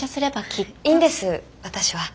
いいんです私は。